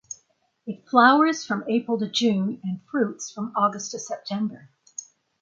It flowers from April to June and fruits from August to September.